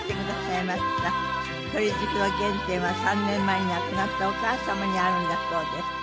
鳥好きの原点は３年前に亡くなったお母様にあるんだそうです。